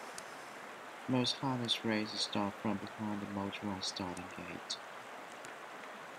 Most harness races start from behind a motorized starting gate.